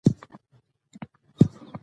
غرونه د افغانستان د امنیت په اړه هم اغېز لري.